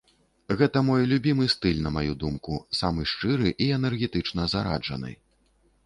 Гэта мой любімы стыль, на маю думку, самы шчыры і энергетычна зараджаны.